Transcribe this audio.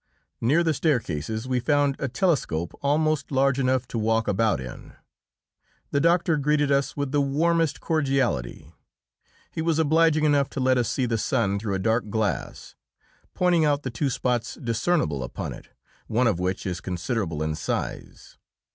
Near the staircase we found a telescope almost large enough to walk about in. The Doctor greeted us with the warmest cordiality. He was obliging enough to let us see the sun through a dark glass, pointing out the two spots discernible upon it, one of which is considerable in size.